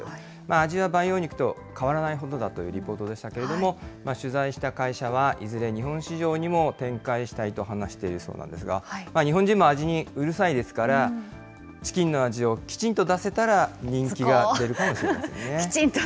味は培養肉と変わらないほどだというリポートでしたけれども、取材した会社は、いずれ日本市場にも展開したいと話しているそうなんですが、日本人も味にうるさいですから、チキンの味をきちんと出せたら、人気が出るかもしれませんね。